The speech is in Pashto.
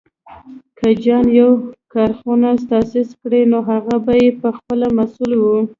که جان يو کارخونه تاسيس کړه، نو هغه به یې پهخپله مسوول و.